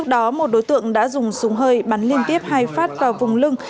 có một đối tượng đã dùng súng hơi bắn liên tiếp hai phát vào vùng lưng